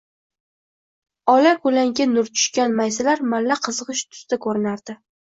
Ola koʻlanka nur tushgan maysalar malla-qizgʻish tusda koʻrinardi